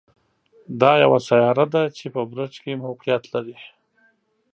دا یوه سیاره ده چې په برج کې موقعیت لري.